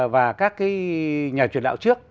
và các nhà truyền đạo trước